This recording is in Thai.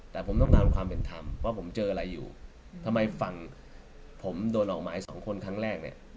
แต่ผมต้องการความเป็นธรรมว่าผมเจออะไรอยู่ทำไมฝั่งผมโดนออกหมายสองคนครั้งแรกเนี่ย